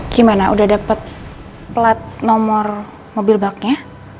gimana udah dapet plat nomor mobil baknya